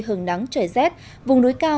hừng nắng trời rét vùng núi cao